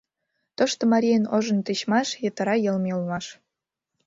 Тошто марийын ожно тичмаш, йытыра йылме улмаш.